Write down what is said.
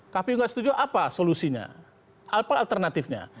kpu nggak setuju apa solusinya apa alternatifnya